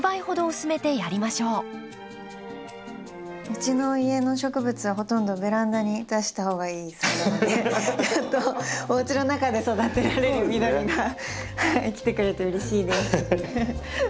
うちの家の植物はほとんどベランダに出した方がいいそうなのでおうちの中で育てられる緑が来てくれてうれしいです。